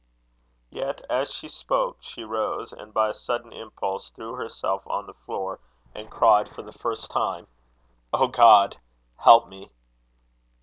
Yet, as she spoke, she rose, and, by a sudden impulse, threw herself on the floor, and cried for the first time: "O God, help me!"